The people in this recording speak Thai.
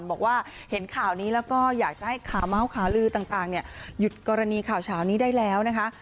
บอกว่าเห็นข่าวนี้แล้วก็อยากจะให้ข่าวเมาส์ข่าวลือต่างหยุดกรณีข่าวเช้านี้ได้แล้วนะคะ